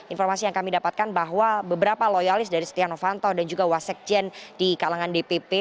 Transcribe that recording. informasi yang kami dapatkan bahwa beberapa loyalis dari setia novanto dan juga wasekjen di kalangan dpp